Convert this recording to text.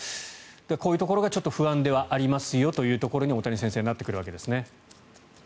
こういうところがちょっと不安ではありますよというところに大谷先生なってくるわけですね。